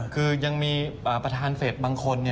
คือยังมีประธานเฟสบางคน